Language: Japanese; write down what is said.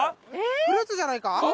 フルーツじゃないか？